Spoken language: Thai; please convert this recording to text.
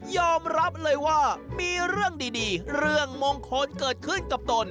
อมรับเลยว่ามีเรื่องดีเรื่องมงคลเกิดขึ้นกับตน